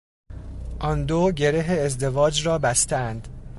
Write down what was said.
آن دو گره ازدواج را بستهاند.